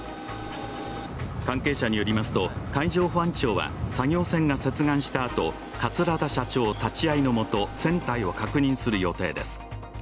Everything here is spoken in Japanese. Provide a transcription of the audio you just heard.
関係者によりますと、海上保安庁は作業船が接岸したあと桂田社長立ち会いのもと、船体を確認する予定です。